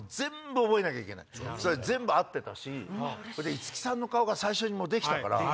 五木さんの顔が最初できたから。